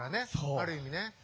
ある意味ね。